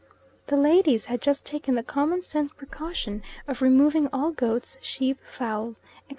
The ladies had just taken the common sense precaution of removing all goats, sheep, fowls, etc.